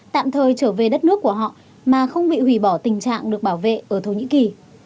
tạm thời trở về đất nước của họ mà không bị hủy bỏ tình trạng được bảo vệ ở thổ nhĩ kỳ